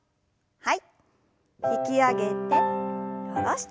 はい。